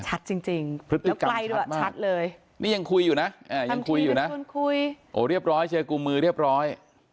ชัดจริงแล้วกลายด้วยชัดเลยนี่ยังคุยอยู่นะเรียบร้อยเชื่อกลุมือเรียบร้อย